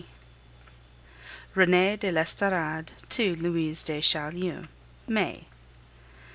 RENEE DE L'ESTORADE TO LOUISE DE CHAULIEU May.